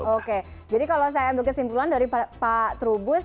oke jadi kalau saya ambil kesimpulan dari pak trubus